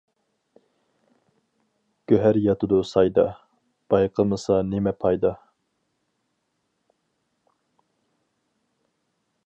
گۆھەر ياتىدۇ سايدا، بايقىمىسا نېمە پايدا!